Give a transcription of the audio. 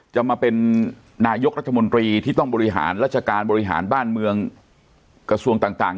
จะมาเป็นนายกรัฐมนตรีที่ต้องบริหารราชการบริหารบ้านเมืองกระทรวงต่าง